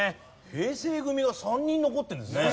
平成組が３人残ってるんですね。